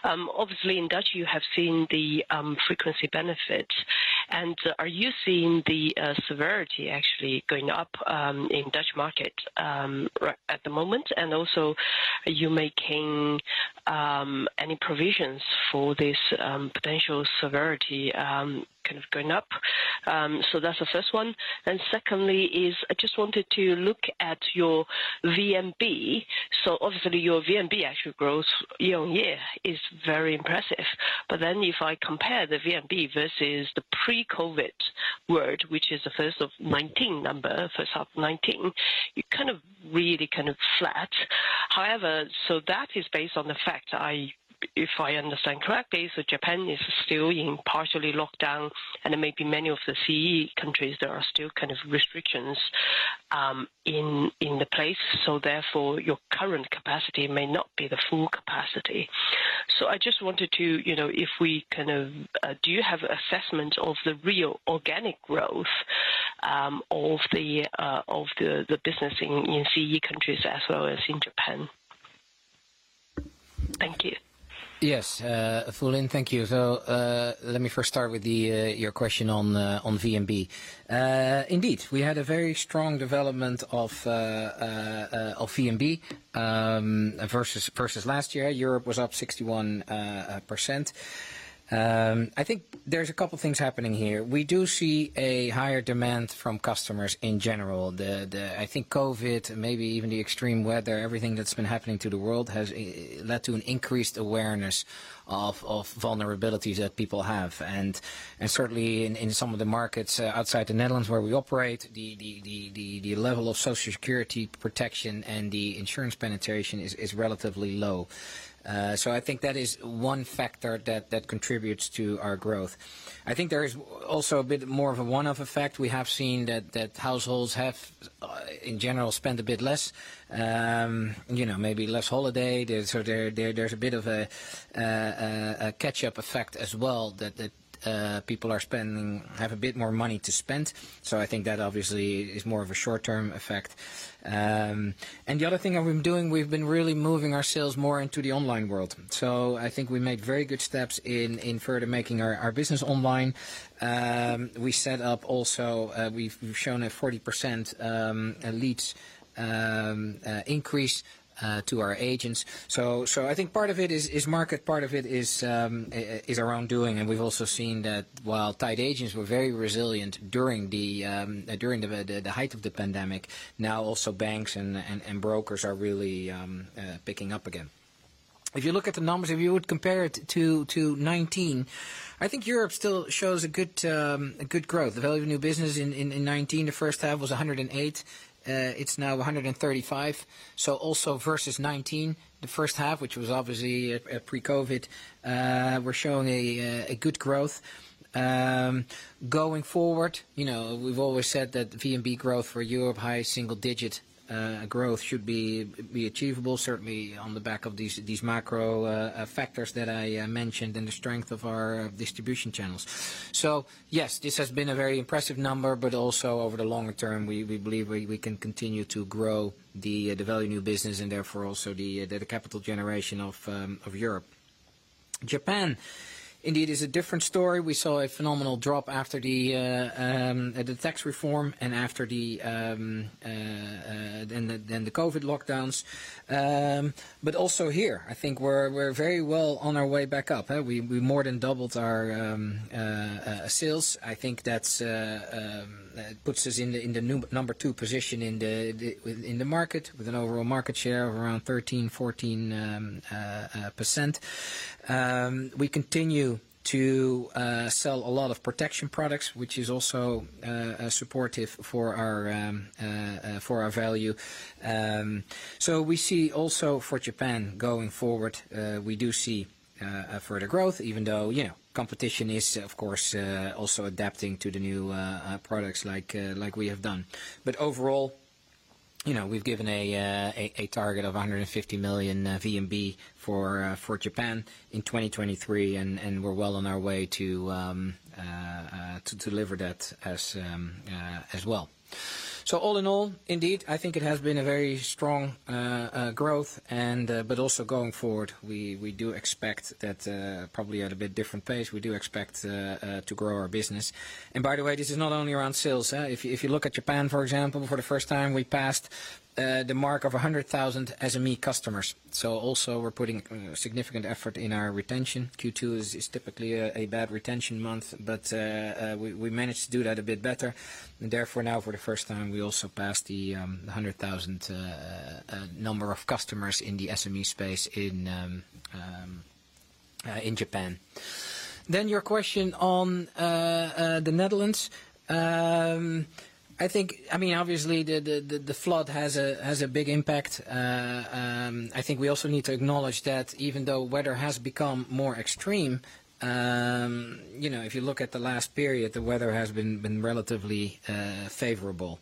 S8: obviously in Dutch you have seen the frequency benefit. Are you seeing the severity actually going up in Dutch market at the moment? Are you making any provisions for this potential severity going up? That's the first one. Secondly is, I just wanted to look at your VNB. Obviously your VNB actual growth year-over-year is very impressive. If I compare the VNB versus the pre-COVID-19 world, which is the 1st of 2019 number, H1 2019, it really kind of flat. That is based on the fact, if I understand correctly, Japan is still in partially lockdown and there may be many of the CE countries there are still restrictions in place, your current capacity may not be the full capacity. I just wanted to, do you have assessment of the real organic growth of the business in CE countries as well as in Japan? Thank you.
S2: Yes. Fulin, thank you. Let me first start with your question on VNB. Indeed, we had a very strong development of VNB versus last year. Europe was up 61%. I think there's a couple things happening here. We do see a higher demand from customers in general. I think COVID, maybe even the extreme weather, everything that's been happening to the world, has led to an increased awareness of vulnerabilities that people have. Certainly in some of the markets outside the Netherlands where we operate, the level of social security protection and the insurance penetration is relatively low. I think that is one factor that contributes to our growth. I think there is also a bit more of a one-off effect. We have seen that households have, in general, spent a bit less. Maybe less holiday. There's a bit of a catch-up effect as well that people have a bit more money to spend. I think that obviously is more of a short-term effect. The other thing that we've been doing, we've been really moving ourselves more into the online world. I think we made very good steps in further making our business online. We set up also, we've shown a 40% leads increase to our agents. I think part of it is market, part of it is our own doing. We've also seen that while tied agents were very resilient during the height of the pandemic, now also banks and brokers are really picking up again. If you look at the numbers, if you would compare it to 2019, I think Europe still shows a good growth. The value of new business in 2019, the first half, was 108 million. It is now 135 million. Also versus 2019, the first half, which was obviously pre-COVID-19, we're showing a good growth. Going forward, we've always said that VNB growth for Europe, high single-digit growth should be achievable, certainly on the back of these macro factors that I mentioned and the strength of our distribution channels. Yes, this has been a very impressive number, but also over the longer term, we believe we can continue to grow the value of new business and therefore also the capital generation of Europe. Japan indeed is a different story. We saw a phenomenal drop after the tax reform and after the COVID-19 lockdowns. Also here, I think we're very well on our way back up. We more than doubled our sales. I think that puts us in the number two position in the market, with an overall market share of around 13%-14%. We continue to sell a lot of protection products, which is also supportive for our value. We see also for Japan going forward, we do see a further growth even though competition is of course also adapting to the new products like we have done. Overall, we've given a target of 150 million VNB for Japan in 2023, and we're well on our way to deliver that as well. All in all, indeed, I think it has been a very strong growth, but also going forward, we do expect that probably at a bit different pace. We do expect to grow our business. By the way, this is not only around sales. If you look at Japan, for example, for the first time, we passed the mark of 100,000 SME customers. Also we're putting significant effort in our retention. Q2 is typically a bad retention month, but we managed to do that a bit better. Therefore now for the first time, we also passed the 100,000 number of customers in the SME space in Japan. Your question on the Netherlands. Obviously, the flood has a big impact. I think we also need to acknowledge that even though weather has become more extreme, if you look at the last period, the weather has been relatively favorable.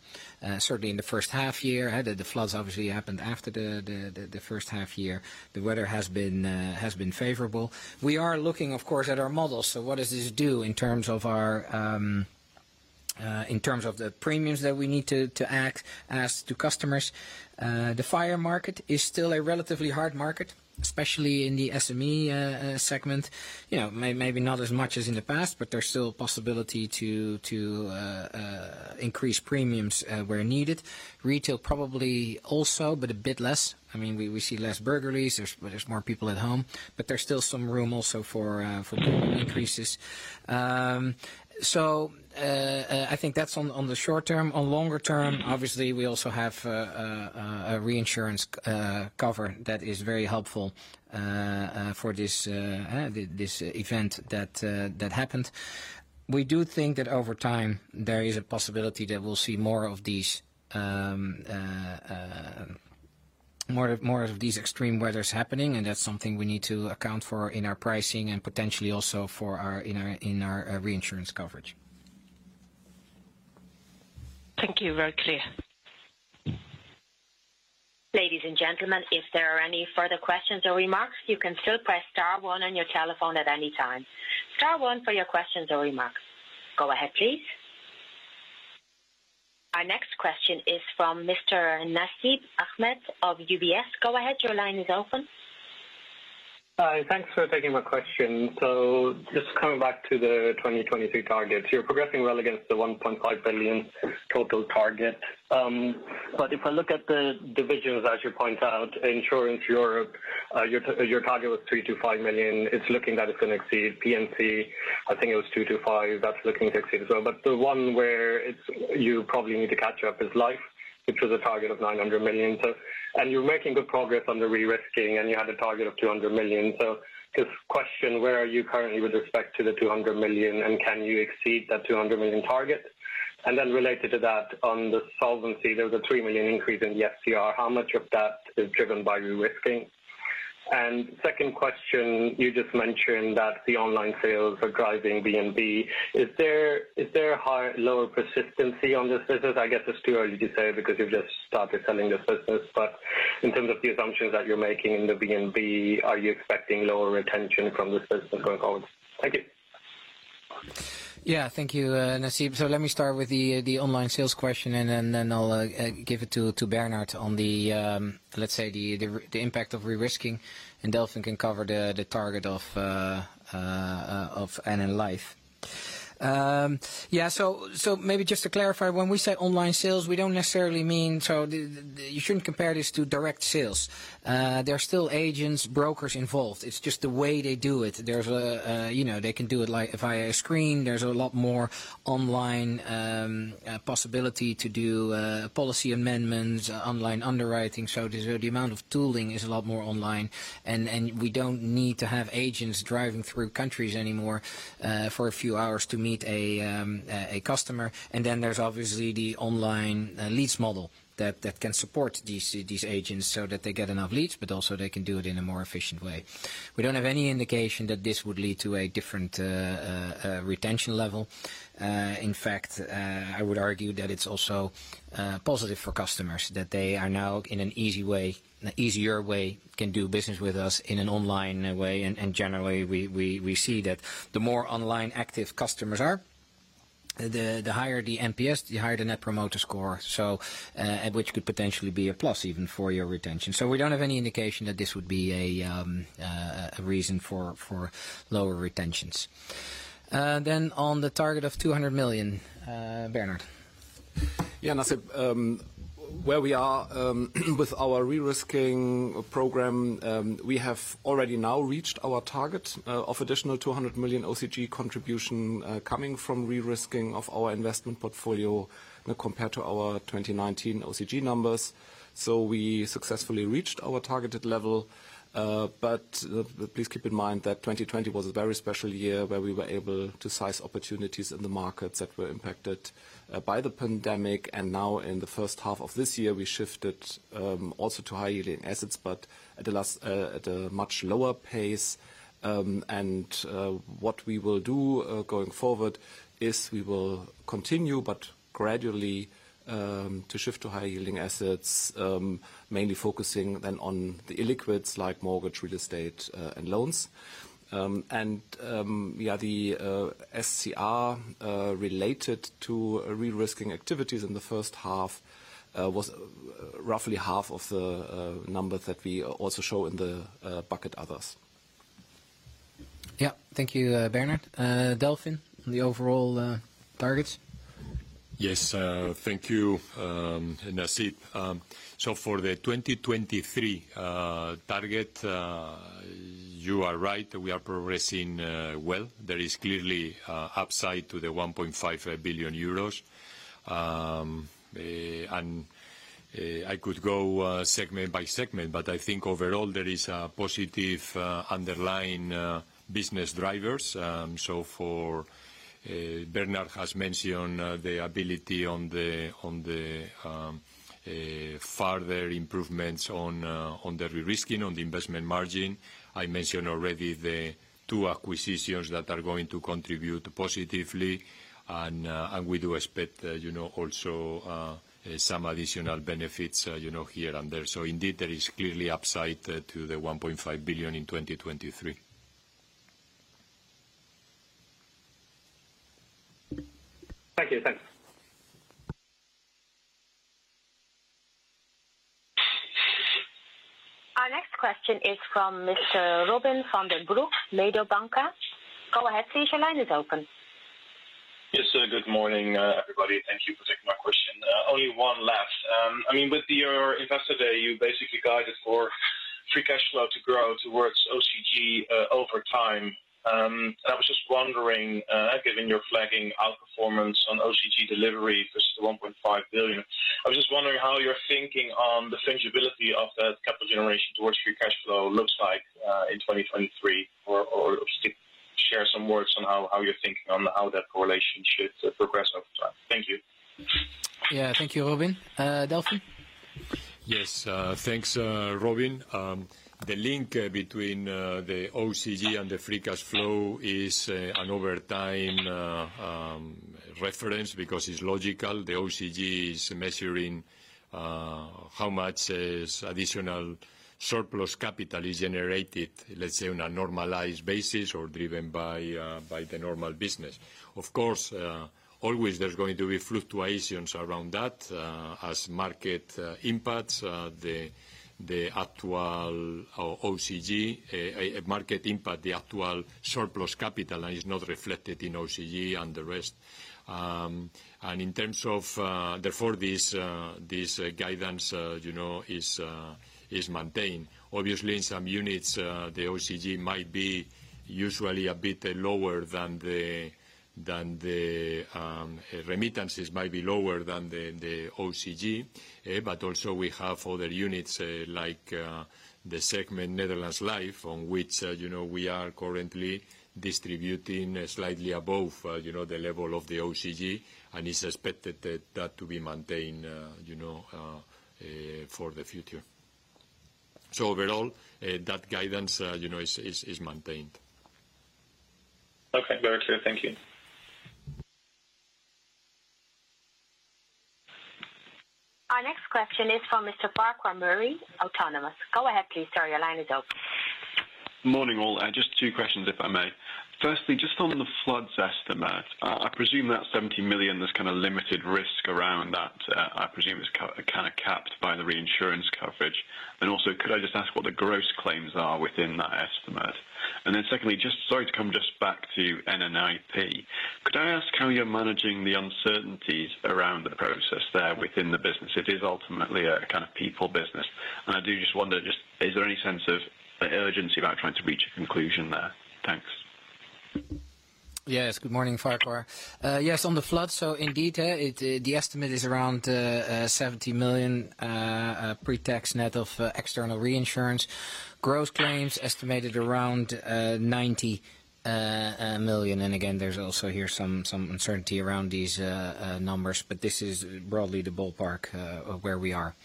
S2: Certainly in the first half year, the floods obviously happened after the first half year. The weather has been favorable. We are looking, of course, at our models. What does this do in terms of the premiums that we need to ask to customers? The fire market is still a relatively hard market, especially in the SME segment. Maybe not as much as in the past, but there's still a possibility to increase premiums where needed. Retail probably also, but a bit less. We see less burglaries. There's more people at home, but there's still some room also for premium increases. I think that's on the short term. On longer term, obviously, we also have a reinsurance cover that is very helpful for this event that happened. We do think that over time, there is a possibility that we'll see more of these extreme weathers happening, and that's something we need to account for in our pricing and potentially also in our reinsurance coverage.
S8: Thank you. Very clear.
S1: Ladies and gentlemen, if there are any further questions or remarks, you can still press star one on your telephone at any time. Star one for your questions or remarks. Go ahead, please. Our next question is from Mr. Nasib Ahmed of UBS. Go ahead, your line is open.
S9: Hi, thanks for taking my question. Just coming back to the 2023 targets, you're progressing well against the 1.5 billion total target. If I look at the divisions, as you point out, Insurance Europe, your target was 3 million-5 million. It's looking that it's going to exceed P&C. I think it was 2 million-5 million. That's looking to exceed as well. The one where you probably need to catch up is Life, which was a target of 900 million. You're making good progress on the re-risking, and you had a target of 200 million. Just question, where are you currently with respect to the 200 million, and can you exceed that 200 million target? Related to that, on the solvency, there was a 3 million increase in the SCR. How much of that is driven by re-risking? Second question, you just mentioned that the online sales are driving VNB. Is there lower persistency on this business? I guess it's too early to say because you've just started selling this business. In terms of the assumptions that you're making in the VNB, are you expecting lower retention from this business going forward? Thank you.
S2: Yeah, thank you, Nasib. Let me start with the online sales question, and then I'll give it to Bernhard on the, let's say, the impact of re-risking, and Delfin can cover the target of NN Life. Maybe just to clarify, when we say online sales, we don't necessarily. You shouldn't compare this to direct sales. There are still agents, brokers involved. It's just the way they do it. They can do it via a screen. There's a lot more online possibility to do policy amendments, online underwriting. The amount of tooling is a lot more online, and we don't need to have agents driving through countries anymore for a few hours to meet a customer. There's obviously the online leads model that can support these agents so that they get enough leads, but also they can do it in a more efficient way. We don't have any indication that this would lead to a different retention level. I would argue that it's also positive for customers, that they are now in an easier way, can do business with us in an online way. Generally, we see that the more online active customers are, the higher the NPS, the higher the net promoter score, which could potentially be a plus even for your retention. We don't have any indication that this would be a reason for lower retentions. On the target of 200 million, Bernhard
S10: Nasib, where we are with our re-risking program, we have already now reached our target of additional 200 million OCG contribution coming from re-risking of our investment portfolio compared to our 2019 OCG numbers. We successfully reached our targeted level. Please keep in mind that 2020 was a very special year, where we were able to seize opportunities in the markets that were impacted by the pandemic. Now in the first half of this year, we shifted also to high-yielding assets, but at a much lower pace. What we will do going forward is we will continue, but gradually, to shift to high-yielding assets, mainly focusing then on the illiquids, like mortgage, real estate, and loans. The SCR related to re-risking activities in the first half was roughly half of the numbers that we also show in the bucket Other.
S2: Yeah. Thank you, Bernhard. Delfin, on the overall targets?
S3: Yes. Thank you, Nasib. For the 2023 target, you are right, we are progressing well. There is clearly upside to the 1.5 billion euros. I could go segment by segment, I think overall there is a positive underlying business drivers. Bernhard has mentioned the ability on the further improvements on the re-risking, on the investment margin. I mentioned already the two acquisitions that are going to contribute positively. We do expect also some additional benefits here and there. Indeed, there is clearly upside to the 1.5 billion in 2023.
S9: Thank you. Thanks.
S1: Our next question is from Mr. Robin van den Broek, Mediobanca. Go ahead please, your line is open.
S11: Yes, good morning, everybody. Thank you for taking my question. Only one last. With your investor day, you basically guided for free cash flow to grow towards OCG over time. I was just wondering, given your flagging outperformance on OCG delivery versus the 1.5 billion, how you're thinking on the fungibility of that capital generation towards free cash flow looks like in 2023, or share some words on how you're thinking on how that correlation should progress over time. Thank you.
S2: Yeah. Thank you, Robin. Delfin?
S3: Thanks, Robin. The link between the OCG and the free cash flow is an over time reference because it's logical. The OCG is measuring how much additional surplus capital is generated, let's say, on a normalized basis or driven by the normal business. Of course, always there's going to be fluctuations around that as market impacts the actual OCG. A market impact, the actual surplus capital is not reflected in OCG and the rest. Therefore, this guidance is maintained. Obviously, in some units, the OCG might be usually a bit lower, the remittances might be lower than the OCG. Also we have other units, like the segment Netherlands Life, on which we are currently distributing slightly above the level of the OCG, and it's expected that to be maintained for the future. Overall, that guidance is maintained.
S11: Okay. Very clear. Thank you.
S1: Our next question is from Mr. Farquhar Murray, Autonomous. Go ahead please, sir, your line is open.
S12: Morning, all. Just two questions, if I may. Firstly, on the floods estimate, I presume that 70 million, there's limited risk around that, I presume it's capped by the reinsurance coverage. Could I just ask what the gross claims are within that estimate? Secondly, sorry to come just back to NNIP. Could I ask how you're managing the uncertainties around the process there within the business? It is ultimately a people business. I do just wonder, is there any sense of urgency about trying to reach a conclusion there? Thanks.
S2: Yes. Good morning, Farquhar. Yes, on the floods, indeed, the estimate is around 70 million pre-tax, net of external reinsurance. Gross claims estimated around 90 million. Again, there's also here some uncertainty around these numbers, but this is broadly the ballpark of where we are.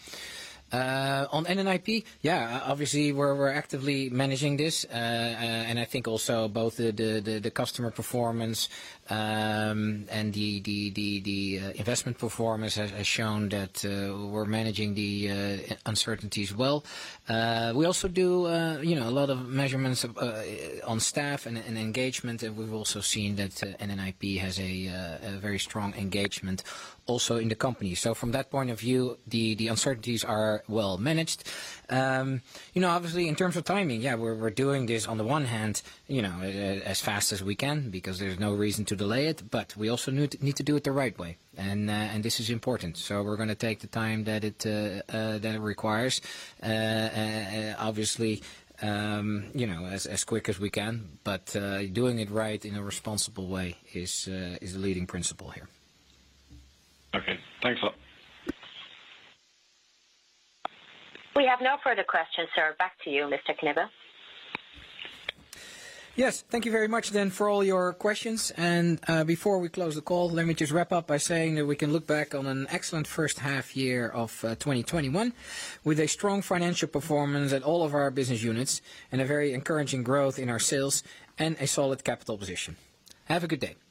S2: On NNIP, obviously we're actively managing this. I think also both the customer performance and the investment performance has shown that we're managing the uncertainties well. We also do a lot of measurements on staff and engagement, and we've also seen that NNIP has a very strong engagement also in the company. From that point of view, the uncertainties are well managed. Obviously, in terms of timing, we're doing this on the one hand as fast as we can because there's no reason to delay it, but we also need to do it the right way. This is important. We're going to take the time that it requires. Obviously, as quick as we can, but doing it right in a responsible way is a leading principle here.
S12: Okay. Thanks a lot.
S1: We have no further questions, sir. Back to you, Mr. Knibbe.
S2: Yes. Thank you very much for all your questions. Before we close the call, let me just wrap up by saying that we can look back on an excellent first half year of 2021, with a strong financial performance at all of our business units, and a very encouraging growth in our sales, and a solid capital position. Have a good day.